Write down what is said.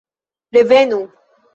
Revenu!!